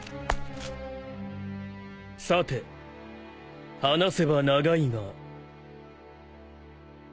さて話せば長いが。